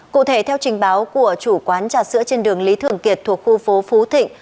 cụ thể theo trình báo của chủ quán trà sữa trên đường lý thường kiệt thuộc khu phố phú thịnh